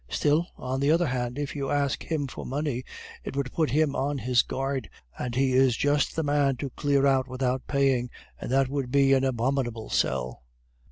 Still, on the other hand, if you ask him for money, it would put him on his guard, and he is just the man to clear out without paying, and that would be an abominable sell."